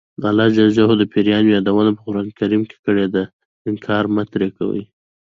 الله ج د پیریانو یادونه په قران کې کړې ده انکار مه ترې کوئ.